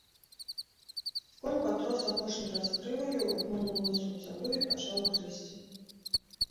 Конь патрос апошні раз грываю, угнуў мысу ў зямлю і пачаў грызці.